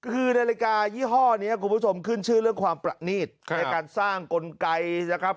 คือนาฬิกายี่ห้อนี้คุณผู้ชมขึ้นชื่อเรื่องความประนีตในการสร้างกลไกนะครับ